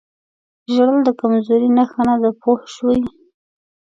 ژړل د کمزورۍ نښه نه ده پوه شوې!.